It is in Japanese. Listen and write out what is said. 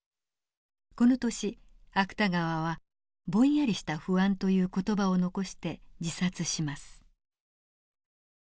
この年芥川は「ぼんやりした不安」という言葉を残して自殺します。